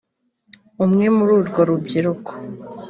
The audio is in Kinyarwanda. umwe muri urwo rubyiruko